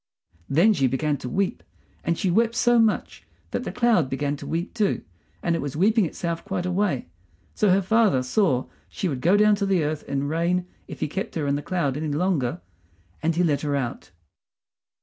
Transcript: Then she began to weep; and she wept so much that the cloud began to weep too, and it was weeping itself quite away. So her father saw she would go down to the earth in rain if he kept her in the cloud any longer, and he let her out.